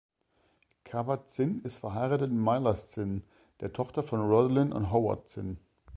Kabat-Zinn ist verheiratet mit Myla Zinn, der Tochter von Roslyn und Howard Zinn.